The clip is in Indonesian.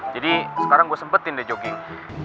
jadi sekarang gue sempetin deh jogging